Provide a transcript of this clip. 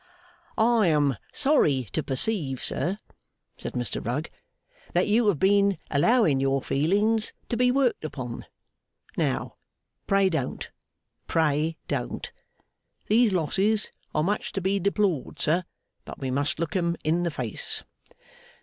'I am sorry to perceive, sir,' said Mr Rugg, 'that you have been allowing your own feelings to be worked upon. Now, pray don't, pray don't. These losses are much to be deplored, sir, but we must look 'em in the face.